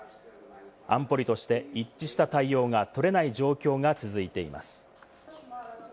安保理として一致した対応が取れない状況が続いています。